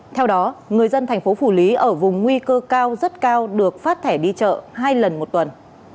theo đó người dân thành phố phủ lý ở vùng nguy cơ cao rất cao được phát thẻ đi chợ hai lần một tuần